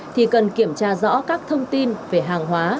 thì cần kiểm tra rõ các thông tin về hàng hóa